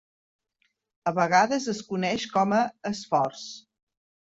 A vegades es coneix com a Esforç.